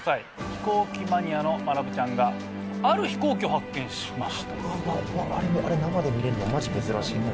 飛行機マニアのまなぶちゃんがある飛行機を発見しました。